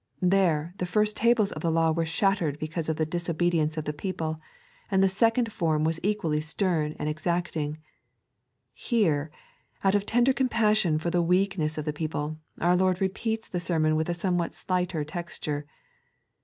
Th^re, the first tables of the Law were shattered because of the disobedience of the people, and the second form was equally stem and exacting ; here, out of tender compassion for the weakness of the people, onr Lord repeats the sermon with a somewhat slighter texture.